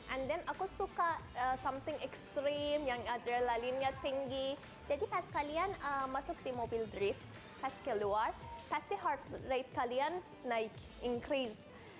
and then aku suka something ekstrim yang adrelalinnya tinggi jadi pas kalian masuk di mobil drift pas keluar pasti heart rate kalian naik encreen